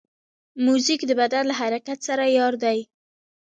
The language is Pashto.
موزیک د بدن له حرکت سره یار دی.